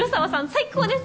最高です。